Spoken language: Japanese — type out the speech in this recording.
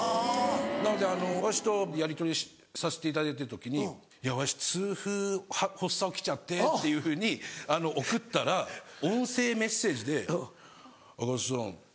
なので私とやりとりさせていただいてる時に「わし痛風発作起きちゃって」っていうふうに送ったら音声メッセージで「あかつさん